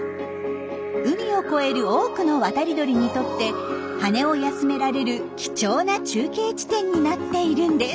海を越える多くの渡り鳥にとって羽を休められる貴重な中継地点になっているんです。